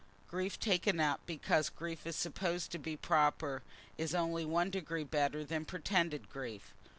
Grief taken up because grief is supposed to be proper, is only one degree better than pretended grief.